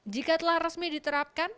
jika telah resmi diterapkan